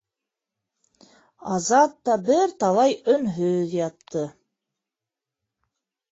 Азат та бер талай өнһөҙ ятты.